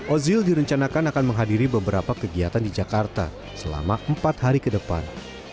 ozil direncanakan akan menghadiri beberapa kegiatan di jakarta selama empat hari ke depan